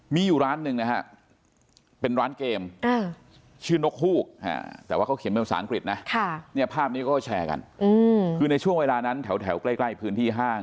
มีอยู่ร้านหนึ่งนะฮะเป็นร้านเกมชื่อนกฮูกแต่ว่าเขาเขียนเป็นภาษาอังกฤษนะเนี่ยภาพนี้เขาก็แชร์กันคือในช่วงเวลานั้นแถวใกล้พื้นที่ห้าง